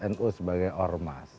nu sebagai ormas